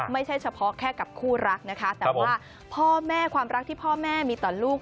ไม่ใช่เฉพาะแค่กับคู่รักนะคะแต่ว่าพ่อแม่ความรักที่พ่อแม่มีต่อลูก